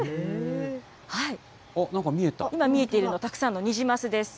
あっ、今、見えているの、たくさんのニジマスです。